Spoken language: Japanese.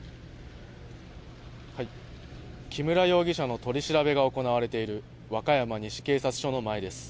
木村容疑者の取り調べが行われている和歌山西警察署の前です。